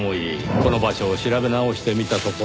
この場所を調べ直してみたところ。